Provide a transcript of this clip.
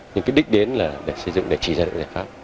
nhưng cái đích đến là để xây dựng để chỉ ra cái giải pháp